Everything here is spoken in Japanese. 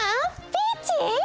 ピーチー！